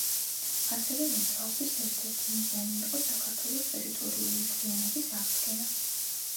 ასევე მოძრაობის ერთ-ერთი მიზანი იყო საქართველოს ტერიტორიული მთლიანობის აღდგენა.